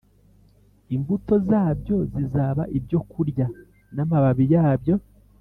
Imbuto zabyo zizaba ibyokurya n amababi yabyo